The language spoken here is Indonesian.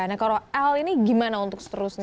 nah kalau l ini gimana untuk seterusnya